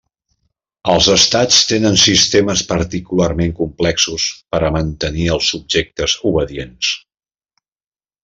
Els estats tenen sistemes particularment complexos per a mantenir els subjectes obedients.